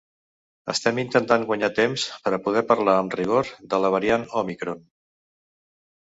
Estem intentant guanyar temps per a poder parlar amb rigor de la variant òmicron.